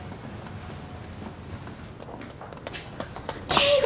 圭吾！